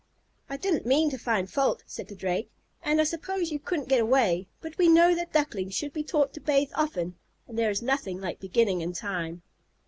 "I didn't mean to find fault," said the Drake, "and I suppose you couldn't get away, but we know that Ducklings should be taught to bathe often, and there is nothing like beginning in time."